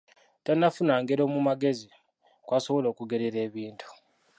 Tannafuna ngero mu magezi, kw'asobola okugerera bintu.